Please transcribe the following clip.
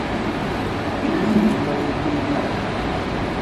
Hwérzù hwémá hwékpélí.